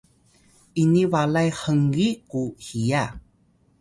ini balay hngi ku hiya